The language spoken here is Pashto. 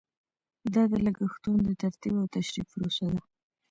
دا د لګښتونو د ترتیب او تشریح پروسه ده.